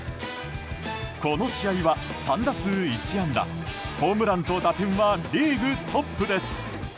この試合は３打数１安打ホームランと打点はリーグトップです。